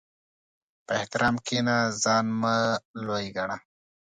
په احترام کښېنه، ځان مه لوی ګڼه.